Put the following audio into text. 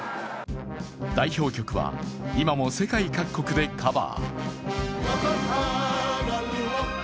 代表曲は今も世界各国でカバー。